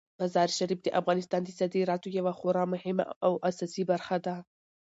مزارشریف د افغانستان د صادراتو یوه خورا مهمه او اساسي برخه ده.